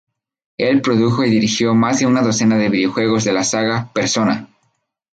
Él produjo y dirigió más de una docena de videojuegos de la saga "Persona".